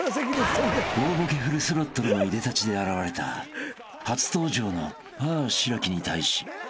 ［大ボケフルスロットルのいでたちで現れた初登場のあぁしらきに対し］